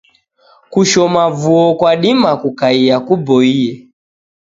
Kushoma vuo kwadima kukaia kuboie.